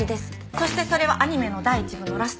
そしてそれはアニメの第一部のラスト。